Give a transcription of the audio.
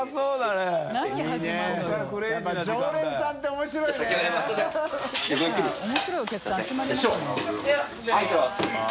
面白いお客さん集まりますね。